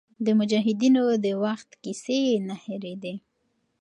د مجاهدینو د وخت کیسې یې نه هېرېدې.